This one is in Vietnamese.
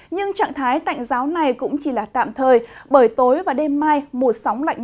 nhưng trạng thái tạnh ráo này cũng chỉ là tạm thời bởi tối và đêm mai mùa sóng lạnh nhỏ nữa sẽ tăng cường